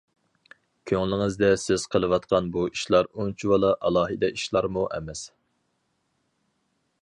كۆڭلىڭىزدە سىز قىلىۋاتقان بۇ ئىشلار ئۇنچىۋالا ئالاھىدە ئىشلارمۇ ئەمەس.